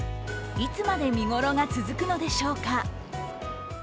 いつまで見頃が続くのでしょうか。